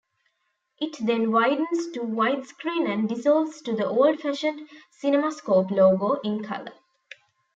It then widens to widescreen and dissolves to the old-fashioned CinemaScope logo, in color.